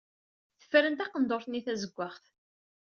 Tefren taqendurt-nni tazewwaɣt.